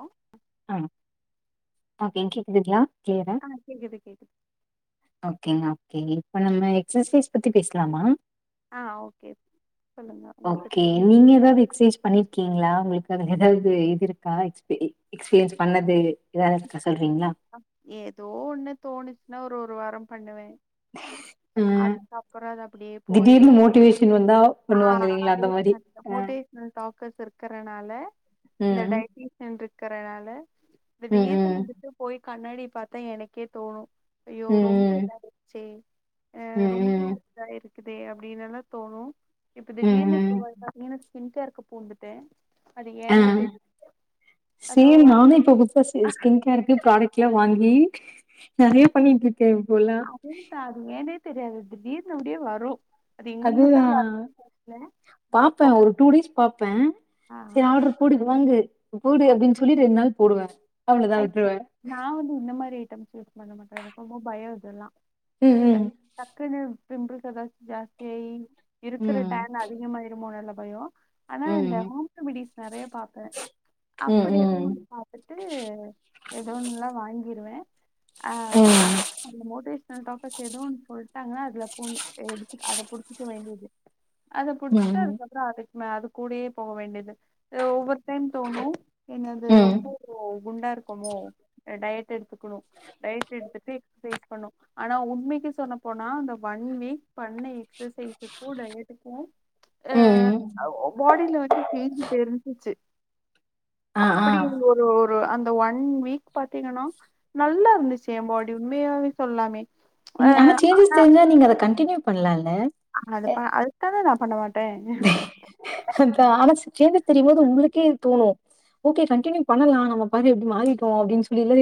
அ அ அப்டியே கேக்குதுங்லா கேளு ஆ கேக்குது கேக்குது ஓகேங்க ஓகேங்க இப்ப நம்ம எக்ஸசைஸ் பத்தி பேச்லாமா அ ஓகே சொல்லுங்க உங்களுக்கு தெரிஞ்ச எக்ஸஸைஸ் பண்ணிருக்கீங்ளா உங்களுக்கு அது எதாவ்து இது இருக்கா எக்பீரியன்ஸ் எக்ஸ்பீரியன்ஸ் பண்ணது எதா இருக்க சொல்றீங்களா ஏதோ ஒண்ணு தோணுச்சுன்னா ஒரு ஒரு வாரம் பண்ணுவே அ அதுக்கு அப்பற அது அப்டியே போ திடீர்னு மோட்டிவேஷன் வந்தா ஆ பண்ணுவாங்க இல்லைங்களா அந்த மாரி அதேதா அ, மோட்டிவேஷனல் டாக்கஸ் இருக்கறனால இந்த ம் டைசிஸ் ருக்கறனால ம் திடிர்னு ம் வந்துட்டு போய் கண்ணாடி பாத்தா எனக்கே தோணு அய்யோ ரொம்ப ம் இதயிடுச்சே ம் ரொம்ப ம் இருக்குதுதே அப்டின்னு எல்லா தோணு இப்ப ம் திடீர்னு இப்ப ம் பாத்தீங்கன்னா [unintelligible] ஸ்கின் கேர் பூந்துட்டே அ அதோ சீன் நானே இப்ப குட்வாய் ஸ்கின் கேருக்கு ப்ராடக்ட் ல வாங்கி நெறைய பண்ணிட்டு இருக்கே இப்போ இல்லா [unintelligible] அது ஏனே தெரியாது திடீர்னு அப்டியே வரு அது எங்கிருந்துதா அதுதா ஆ வரல பாப்பே போ ஒரு டூ டேஸ் பாப்பே ஆ செரி ஆர்டர் போடுது வாங்கு போடு அது அப்டின்னு சொல்லி ரெண்டு நாள் போடுவே அவ்ளதா ஐட்டம் விட்டுருவே நா வந்து இந்த மாரி ஐட்டம்ஸ் யூஸ் பண்ண மாட்டே எனக்கு ரொம்ப பயம் இதெல்லா ம் ம் டக்குனு பிம்பிள்ஸ் எதாவது ஜாஸ்தியாகி இருக்கிற ம் டான் அதிகமாயிருமோனு இல்ல பயோ ஆனா இந்த ம் ஹோம் ரெமிடிஸ் நெறைய பாப்பே அப்டி ம் எல்லா பாத்துட்டு எதோ ஒன்லா வாங்கிருவே ஆ ம் [unintelligible] மோட்டுவேசன் டாக்டர்ஸ் எதோ ஒன்னு சொல்ட்டாங்கன்னா அதுல பூண் எடுத் அத புடுச்சிக்க வேண்டியது அத புடுச்சிட்டு ம் அதுக்கப்பற அதுக் மே அது கூடயே போக வேண்டியது ஒவ்வொரு ஃபஸ்ட் டைம் தோணு என்னது ம் ம் ரொம்போ குண்டா இருக்கமோ டயட் எடுத்துக்கணு டயட் எடுத்துட்டு ஃபேஸ் பண்ணு ஆனா உண்மைக்கு சொல்ல போனா அந்த ஒன் வீக் பண்ண எக்சசைசுக்கு டயட்டுக்கு ம் ய பாடில வந்து செஞ்சு தெரிஞ்சிச்சு ஆ ஆ அப்டி ஒரு ஒ ரு அந்த ஒன் வீக் பாத்தீங்கன்னா நல்லா இருந்துச்சு எ பாடி உண்மையாவே சொல்லாமே ஆ ம் ஆனா சேஞ்சஸ் தெரிஞ்சா நீங்க அத கண்டினியூ பண்லால்ல ஆ அது அத தானே நா பண்ண மாட்டே அ ஆனா சேஸ்சஸ் தெரியும் போது உங்களுக்கே இது தோணு ஓகே கண்டின்யூ பண்ணலா நாம பாக்க எப்டி மாறிட்டோ அப்டின் சொல்லில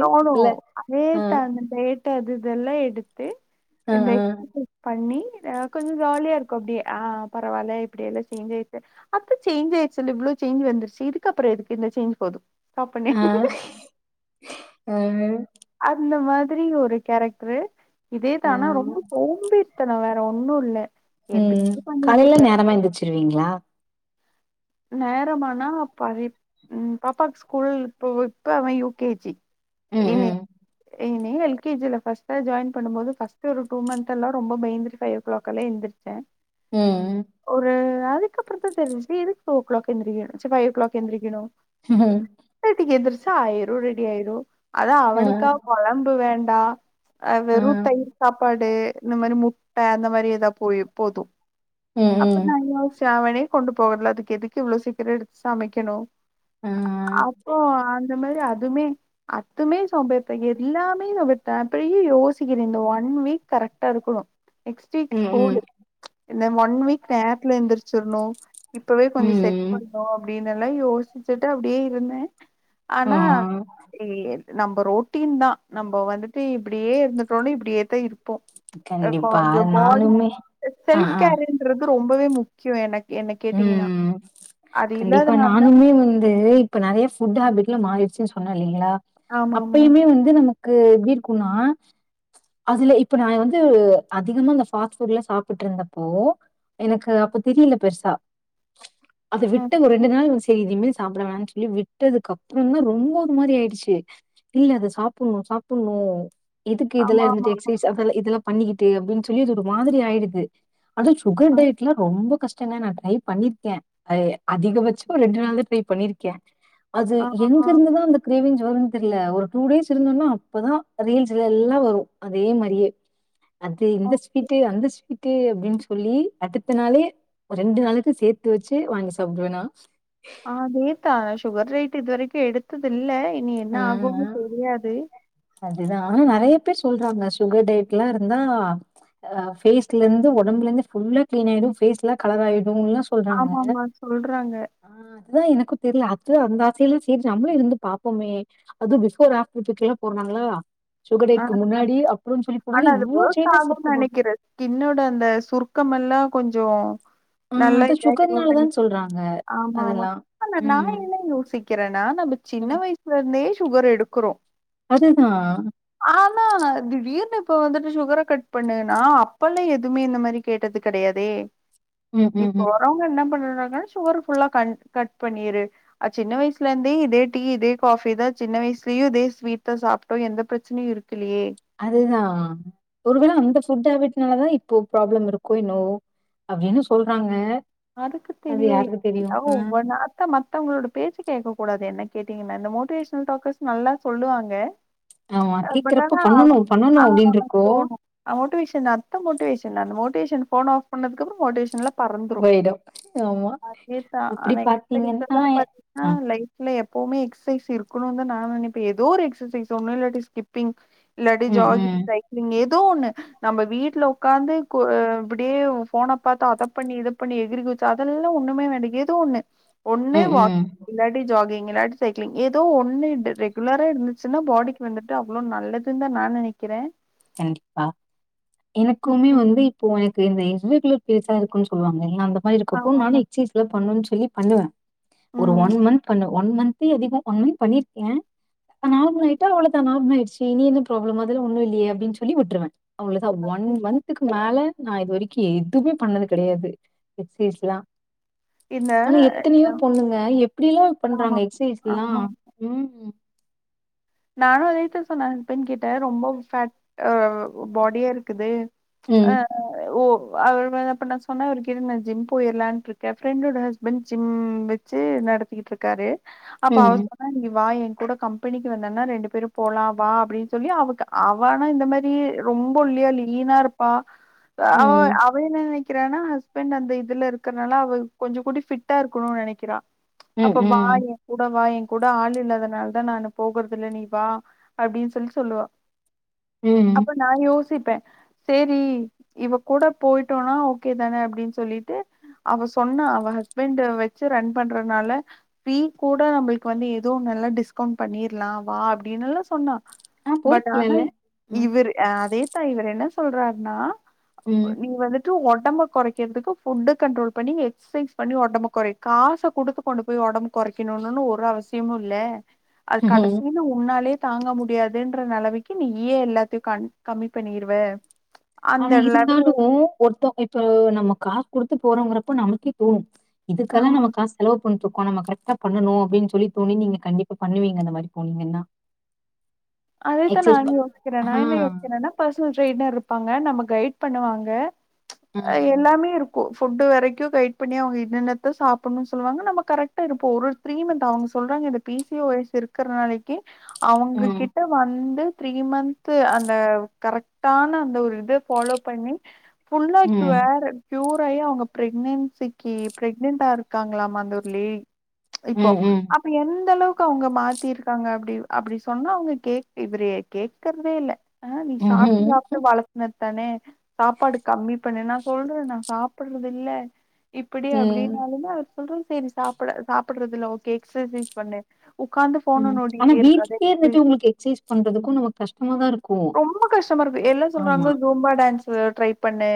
தோணு அதே டான் அந்த டேட்டு அது இததெல்லா எடுத்து ஆ அந்த ஆ எக்சசைஸ் பண்ணி அ கொஞ்சோ ஜாலியா இருக்கு அப்டியே ஆ பரவால்ல இப்டியே எல்லா சேஞ்ச் ஆயிருச்சு அப்ப சேஞ்ச் ஆயிருச்சுல்ல இவ்ளோ சேஞ்ச் வந்துருச்சு இதுக்கப்பற எதுக்கு இந்த சேஞ்ச் போது அ அ அந்த மாதிரி ஒரு கேரக்டரு ஆ இதேதா ரொம்ப சோம்பேறி த்தன வேற ஒன்னு இல்ல ம் எதுக்கு பண்ணிட்டு காலைல இருக்க நேரமா எழுந்திருச்சிருவீங்ளா நேரமானா ப ம் பாப்பா ஸ்கூல் இப்ப இப்ப அவ யூ கே ஜி ம் இனி ம் ஏன L K G first join பண்ணும்போது ஃபஸ்டு ஒரு டூ மந்த் எல்லா ரொம்ப பயந்துட்டு ஃபை ஓ கிளாக் எந்திரி சேர் ம் ம் ஒரு அதுக்கப்புற தா தெரிஞ்சு இது டூ ஓ கிளாக் எந்திரிக்கணு ச்சே ஃபைவ் ஓ கிளாக் எந்திரிக்கணு ஹம் எயிட் தட்டிக்கு எந்திரிச்சா ஆயிரு ரெடி ஆயிரு அதா ஆ, அவனுக்கா கொழம்பு வேண்டா அ ஆ, வெறு தயிர் சாப்பாடு இந்த மாரி முட்டை அந்த மாரி ஏதா போயி போது ம், அப்ப ம், நா யோசிச்ச அவனே கொண்டு போகல அதுக்கு எதுக்கு இவ்ளோ சீக்கிரம் எடுத்து சமைக்கணு ஆ, அப்போ அந்த மாரி அதுமே அதுமே சோம்பேறிதா எல்லாமே நா விட்ட அப்றோ ஏ யோசிக்கிறே இந்த ஒன் வீக் கரெக்ட்டா இருக்கணு நெக்ஸ்ட் வீக் ம், ம், ஸ்கூலு இந்த ஒன் வீக் நேரத்துல எந்திரிச்சிரணு இப்பவே கொஞ்சோ செட் ம், பண்ணணு அப்டின்னு எல்லா யோசிச்சுட்டு அப்டியே இருந்தே ஆ. ஆனா எ நம்ம ரோட்டீன் தா நம்ம வந்துட்டு இப்டியே இருந்துட்டோன்னு இப்டியே தா இரு போ இப்ப கண்டிப்பா. வந்து பாடி நானுமே ஆ, செல்ப் ஆ, கேருன் றது ரொம்பவே முக்கியோ எனக்கு எனக் ம் கண்டிப்பா தா நானுமே வந்து இப்ப நெறைய புட் ஹேபிட்லா மாறிடுச்சு சொன்ன இல்லீங்களா ஆமா ஆமா அப்பயுமே வந்து நமக் கு எப்டி இருக்குனா அதுல இப்ப நா வந்து அதிகமா அந்த பாஸ்ட் ஃபுட் எல்லா சாப்பிட்டு இருந்தப்போ எனக்கு அப்ப தெரில பெருசா அதை விட்டு ஒரு ரெண்டு நாள் செய்து மிஸ் சாப்பிட வேணாம்னு சொல்லி விட்டதுக்கு அப்புற தா ரொம்ப ஒரு மாரி ஆயிடுச்சு இல்ல அது சாப்டணு சாப்டணு எதுக்கு இதெல்லா ஆமா ஆமா இருந்துட்டு ஆமா எக்சைஸ் அதெல்லா இதெல்லா பண்ணிக்கிட்டு அப்டின்னு சொல்லி ஒரு மாதிரி ஆயிடுது அதச் சுகர் டயட்லாம் ரொம்ப கஷ்டம்ங்க நா ட்ரை பண்ணிருக்க அ அதிகபட்சம் ஒரு ரெண்டு நாள் தா ட்ரை பண்ணிருக்க அது ஆ ஆ எங்கிருந்துதா அந்த க்ரேவிஞ் வருன்னு தெரில்ல ஒரு டூ டேஸ் இருந்தோன்னா அப்பதா ரீல்ஸ்ல எல்லா வரு அதே மாரியே அது ஆ இந்த ஸ்வீட்டு அந்த ஸ்வீட்டு அப்டின்னு சொல்லி அடுத்த நாளே ரெண்டு நாளைக்கு சேத்து வச்சு வாங்கி சாப்பிடுவேனா ஆ அதேதா சுகர் ரேட் இதுவரைக்கு எடுத்தது இல்ல இனி என்ன ஆகும்னு தெரியாது அதுதா நெறைய பேர் சொல்றாங்க சுகர் டேட்ல்லா இருந்தா ஆ பேஸ்ல இருந்து ஒடம்புல இருந்து ஃபுல்லா கிளீன் ஆயிடு ஃபேஸ் எல்லா கலராயிடுனெல்லா சொல்றாங்க ஆமாமா சொல்றாங்க. ஆ அதுதா எனக்கு தெரில்ல அது அந்த ஆசைல்ல செரி நம்மளு இருந்து பாப்போமே அதும் பிஃபோர் ஆஃப்டர் துக்கெல்லா போடறாங்களா ஆ சுகர்டேக்கு முன்னாடி அப்பறம்னு னு சொல்லி போடைல்ல ஆனா அது இவளோ ஒர்க் சேஞ்சஸ் ஆகும்னு இருக்குமா நெனைக்கிறேன். ஸ்கின்னோட அந்த சுருக்கம் எல்லா கொஞ்சோ ஆ நல்லா அது சுகர்னாலதான் இதாயிருன்றன்னிக்கி சொல்றாங்க ஆமா ஆமா அதெல்லா ஆனா நா ம் என்ன யோசிக் கிறேனா நம்ம சின்ன வயசுல இருந்தே சுகர் எடுக்குறோ அதுதா ஆனா திடீர்னு இப்ப வந்துட்டு சுகரா கட் பண்ணுன்னா அப்ப எல்லா எதுவுமே இந்த மாரி கேட்டது கெடையாதே ம் ம் இப்ப ம் வர்றவங்க என்ன பண்றாங்கன்னா சுகர ஃபுல்லா கண் கட் பண்ணிரு அ சின்ன வயசுல இருந்தே இதே டீ இதே காஃபி தா சின்ன வயசுலயு இதே ஸ்வீட் தா சாப்ட்டோ எந்த பிரச் சினையு இருக்கலியே அதுதா ஒருவேளை அந்த ஃபுட் ஹேபிட்னாலதா இப்போ ப்ராப்ளம் இருக்கோ இன்னவோ அப்டினு சொல்றாங்க யாருக்கு அது தெரியு யாருக்கு தெரியு எதா ஆ ஒவ்வொண்ணா தா மத்தவங்களோட பேச்ச கேட்க கூடாது என்ன கேட்டீங்கன்னா இந்த மோட்டிவேஷனல் டாக்கர்ஸ் நல்லா சொல்லுவாங்க ஆமா ஆ பட் கேக்குறப்ப ஆனா பண்ணணு அவுங்க பண்ணணு அ ஆ அப்டின்ருக்கு தோணு அ மோட்டிவேஷன் அப்ப மோட்டிவேஷன் அந்த மோட்டிவேஷன் ஃபோன ஆஃப் பண்ணதுக்கப்பறோ மோட்டிவேஷன்ல்லா பறந்துரு போயிடு ஆமா அதேதா அப்டி ஆனா பாத்தீங்கன்னா எக்ஸ்பெக்டெல்லா பாத்தி ஆ லைப்ல எப்பவுமே எக்சசைஸ் இருக்கணுனு தா நா நெனைப்பே ஏதோ ஒரு எக்ஸசைஸ் ஒன்னு இல்லாட்டி ஸ்கிப் பிங் இல்லாட்டி ம் ஜாக்கிங் ம் சை க்ளிங் எதோ ஒண்ணு நம்ம வீட்ல உட்காந்து கொ இப்டியே ஃபோன பாத்தா அத பண்ணி இதப் பண்ணி எகிறி குதிச்சு அதெல்லா ஒண்ணுமே வேணா ஏதோ ஒண்ணு ஒண்ணு ம் வாக் ம் இல்லாட்டி ஜாகிங் இல்லாட் சைக்ளிங் ஏதோ ஒண்ணு டு ரெகுலரா இருந்துச்சுன்னா பாடிக்கு வந்துட்டு அவ்ளோ நல்லதுன் தா நா நெனைக் கண்டிப்பா ம் எனக்குமே ம் வந்து இப்ப எனக்கு இந்த இர் ரெகுலர் பீரியட்ஸ்சா இருக்குன்னு சொல்லுவாங்கல்ல அந்த மாரி இருக்கப்போ ஆமா ஆமா நானு எக்சைஸ் பண்ணும்னு சொல்லி பண்ணுவே ஒரு ஒன் ம் மந்த் பண்ணு ஒன் மந்த்தே அதிகோ ஒன் மந்த் பண்ணிருக்கே நார்மல் ஆயிட்டா அவ்ளதா நார்மலாயிருச்சு இனி என்ன பிராப்ளம் அதுதா ஒன்னு இல்லியே அப்டின்னு சொல்லி விட்டுருவே அவ்ளோ தா ஒன் மந்த் த்துக்கு மேல நா இது வரைக்கு எதுவுமே பண்ணது கெடையாது எக்சைஸ்லா இந்த ஆனா எத்தனையோ பொண்ணுங்க எப்டி எல்லா ஆமா பண்றாங்க எக்சசைஸ் ல்லா ஆமா ம் ம் நானும் அதேத்தா சொன்னே எ ஹஸ்பெண்ட் கிட்ட ரொம்ப ஃபேட் ஆ பாடியா இருக்குது அ ம் ஓ அவர் நா அப்ப சொன்னே அவரு கிட்ட நா ஜிம் போயிரலான்ருக்கே ஃப்ரெண்டோட ஹஸ்பண்ட் ஜிம் வெ ச்சு நடத்திகிட்ருக்காரு அப்ப அவ ம் சொன்னா நீ வா எ கூட கம்பெனி வந்தன்னா ரெண்டு பேரு போலா வா அப்டின்னு சொல்லி அவக்கு அவ ஆனா இந்த மாரி ரொம்ப ஒல்லியா லீனா இருப் ப்பா அவ ம் அவ என்ன நெனக்கிறானா ஹஸ்பண்ட் அந்த இதுல இருக்கறனால அவ கொஞ்சோ கூடி ஃபிட்டா இருக்கணுன்னு நெனைக்கிறா ம் அப்ப வா ம் எ கூட வா எ கூட ஆள் இல்லதனால தா நானு போகறதில்ல நீ வா அப்டின்னு சொல்லி சொல்லுவா ம் ம் நா யோசிப்பே சேரி இவ கூட போயிட்டோனா ஓகே தான அப்டின்னு சொல்லிட்டு அவ சொன்னா அவ ஹஸ்பண்ட் வச்சு ரன் பண்றனால ஃப்பீ கூட நம்மளுக்கு வந்து எதோ நல்லா டிஸ்கவுண்ட் பண்ணிரலா வா அப்டின்னுல்லா சொன்னா ஆ பட் ஆனா போயிருக்கலால்ல ம் இவரு அ அதேதா இவரு என்ன சொல்றார்னா ம் நீ வந்துட் டு ஒடம்ப கொறகிறதுக்கு ஃபுட் கண்ட்ரோல் பண்ணி எக்சைஸ் பண்ணி ஒடம்ப கொறை காச குடுத்து கொண்டு போய் ஒடம்ப கொறக்கணுனு ஒரு அவசியமு இல்ல அது ம் கடசி து உன்னாலேயே தாங்க முடியாதுன்ற நெலவைக்கு நீ ஏயே எல்லாத்தையு கண் கம்மி பண்ணிருவ அந்த ஆனா லெவல் இருந்தாலு ஒருத்தோ இப்ப நம்ம காஸ் கொடுத்து போறோங்கிறப்ப நமக்கே தோணு இதுக்கெல்லா ஆமா நம்ம காஸ் செலவு பண்ணுட்டு இருக்கோ நம்ம கரெக்டா பண்ணணு அப்டின்னு சொல்லி தோணி நீங்க கண்டிப்பா பண்ணுவீங்க அந்த மாரி போனீங்கன்னா அதேத்தா எக்சைஸ் ப நானு யோசிக்கிறே ஆ நா என்ன யோஸ்கீறே ன்னா பர்சனல் ட்ரைனர் இருப்பாங்க நம்ம கைட் பண்ணுவாங்க ம் எல்லாமே இரு கு ஃபுட்டு வரைக்கு கைட் பண்ணி அவுங்க இன்இன்னத்த சாப்பிணுனு சொல்லுவாங்க நம்ம கரெக்டா இருப்போ ஒரு ப்ரீ மந்த் அவுங்க சொல்றாங்க இந்த பி சி ஓ எஸ் இருக்குற நாளைக்கு அவங்க ம் கிட் ட வந்து த்ரீ மந்த் அந்த கரெக்ட்டான அந்த ஒரு இத ஃபாலோ பண்ணி புள்ளைக்கு ம் வேற க்யூர் ஆயி அவுங்க பிரக்னன்சிக்கு பிரெக்னன்ட்டா இருக்காங்களாமா அந்த ஒரு லே இப்போ ம் ம் அப்ப எந்த அளவுக்கு அவுங்க மாத்திருக்காங்க அப்டி அப்டி சொன்னா அவுங் கேக் பிவரே கேக்றதே இல்ல ஆ நீ சாப்ட்டு ம் சாப்ட்டு வளத் உன்னத்தானே சாப்பாடு கம்மி பண்ணு நா சொல்றனா சாப்பறது இல்ல இப்டி ம் அப்டின்னாலுமே அவர் சொல்றது சரி சாப்ட சாப்டறதில்ல ஓகே எக்ஸசைஸ் பண்ணு உக்காந்து ம் ஃபோன ஆனா நோண்டிட்டே இருக்காத வீட்லயே எக்ஸசைஸ் இருந்துட்டு உங்களுக்கு எக்சசைஸ் பண்றதுக்கு நமக்கு கஷ்டமாதா இருக்கு ரொம்ப கஷ்டமா இருக்கு எல்லா சொல்றாங்க ஜூம்பா டான்ஸ் இவ்ளோ ட்ரை பண்ண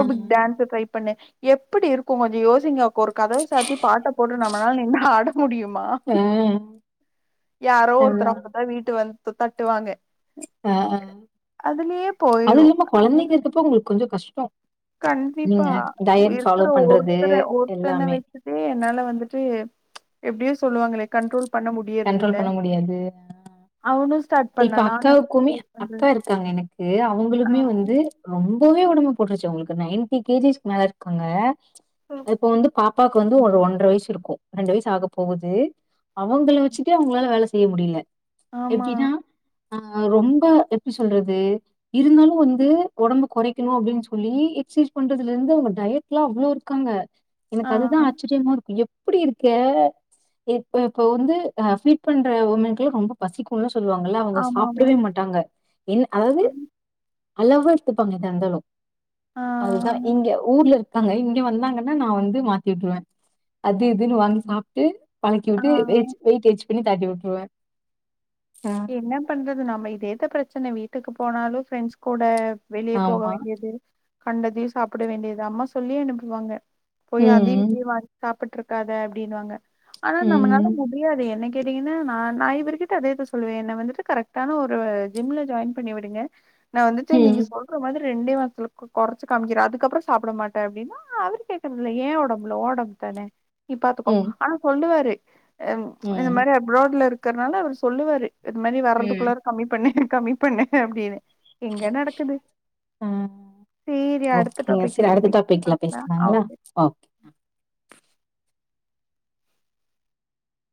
அ, டான்ஸ் ட்ரை பண்ண எப்டி இருக்கு கொஞ்சோ யோசிங்க ஒரு கதவ சாத்தி பாட்ட போட்டு நம்மளால நின்னு ஆட முடியுமா ஆ யாரோ ஒருத்தர் அப்பதா வீட்டு வந்து தட்டுவாங்க அ அதுலயே அது போயிரு இல்லாம அதனால கொழந்தைங்க இருக்குறப்போ உங்களுக்கு கொஞ்சோ கஷ்ட கண்டிப்பா நீங்க டயட் ஃபாலோ பண்றது எல்லாமே இதே என்னால வந்துட்டு எப்படியோ சொல்லுவாங்களே கண்ட்ரோல் பண்ண முடியறதுல்ல எது அவனு ஸ்டார்ட் இப்ப பண்ணா நானு அக்காவுக்குமே பண்றே அக்கா இருக்காங்க எனக்கு ஆ அவுங்களுமே வந்து ரொம்பவே உடம்பு போட்ருச்சு அவுங்களுக்கு நைன்டி கே ஜி் ஸ் மேல இருக்காங்க இப்ப வந்து பாப் பாக்கு வந்து ஒரு ஒன்ற வயசு இருக்கு ரெண்டு வயசு ஆக போகுது அவங்கள வச்சுட்டே அவங்களால வேல செய்ய முடில ஆமா எப்படின்னா ஆ ரொம்ப எப்டி சொல்றது இருந்தாலு வந்து உடம்பு கொறைக்கணு அப்டின் சொல்லி எக்ஸசைஸ் பண்றதுல இருந்து அவுங்க டயட் கியா அவ்ளோ இருக்காங்க ஆ எனக்கு அதுதா ஆச்சரியமா இருக்கு எப் ப்டி இருக்க இ இப்ப வந்து ஃபீட் பண்ற உமன்கெல்லா ரொம்ப பசிக்குல சொல்லுவாங்க எல்லாம் அவங்க ஆமா ஆமா சாப்டவே மாட்டாங்க என் அதாவது அளவா எடுத்துப்பாங்க எதாயிருந்தாலு ஆ ஆ அதுதா இங்க ஊர்ல இரு இருக்காங்க இங்க வந்தாங்கன்னா நா வந்து மாத்தி விட்ருவ அது இதுன்னு வாங்கி சாப்ட்டு பழக்கி ஆ. விட்டு வெயி வெய்ட் வச் பண்ணி தாட்டி விட்ருவ ம் என்ன பண்றது நம்ம இதேதா பிரச்சன வீட்டுக்கு போனாலு ஃபிரெண்ட்ஸ் கூட வெளிய போக ஆமா வேண்டியது கண்டதையு சாப்ட வேண்டியது அம்மா சொல்லியே அனுப்புவாங்க போய் அதயு ம் போய் வாங்கி சாப்புட்ருக்காத அப்டின்னுவாங்க ஆனா நம்மளால ம் மு டியாது என்ன கேட்டீங்கனா நா நா இவருக்கிட்ட அதேதா சொல்லுவ என்ன வந்துட்டு கரெக்ட்டான ஒரு ஜிம்ல ஜாய்ன் பண்ணி விடுங்க நா வந்துட்டு நீங்க ம் சொல் ஒரு மாதிரி ரெண்டே வாரத்துலக் கொறச்சு காமிக்கிற அதுக்கப்ற சாப்ட மாட்ட அப்படின்னா அவர் கேக்குறதுல ஏ உடம்புல்ல உ உடம்புதான நீ ம் பாத்துக்கோ ம் ஆனா சொல்லுவாரு ம் இந்த மாரி அப்ராட்ல இருக்குறனால அவரு சொல்லுவாரு இது மாரி ம் வர்றதுக்குள்ளாற கம்மி பண்ணு கம்மி பண்ணு அப்டின்னு எங்க நடக்குது ம் சேரி அடுத்த ஓகேங்க டாப்பிக்ல மீட் பண்லா அ ஓகே அ